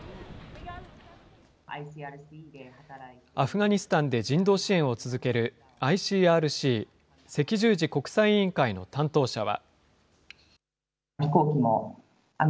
アフガニスタンで人道支援を続けるＩＣＲＣ・赤十字国際委員会の担当者は。